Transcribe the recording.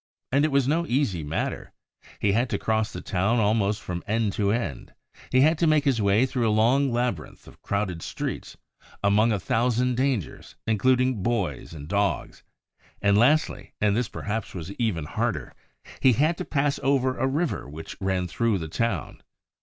And it was no easy matter: he had to cross the town almost from end to end; he had to make his way through a long labyrinth of crowded streets, among a thousand dangers, including boys and dogs; lastly—and this perhaps was even harder—he had to pass over a river which ran through the town.